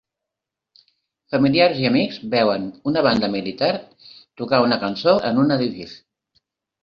Familiars i amics veuen una banda militar tocar una cançó en un edifici